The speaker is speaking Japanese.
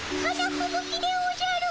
ふぶきでおじゃる。